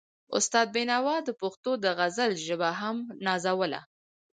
استاد بينوا د پښتو د غزل ژبه هم نازوله.